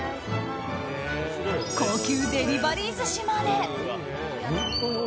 高級デリバリー寿司まで。